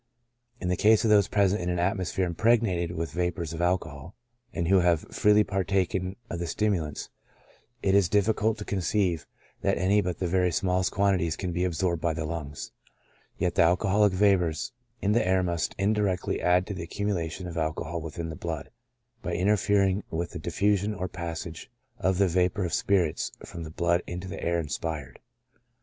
In the case of those present in an atmosphere impregnated with the va pors of alcohol, and who have freely partaken of the stim ulants, it is difficult to conceive that any but the very smallest quantities can be absorbed by the lungs ; yet the alcoholic vapors in the air must indirectly add to the accu mulation of alcohol within the blood, by interfering with the diffusion or passage of the vapor of spirits from the blood into the air inspired.